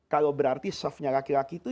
kalau berarti softnya laki laki itu